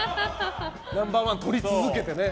ナンバーワンをとり続けてね。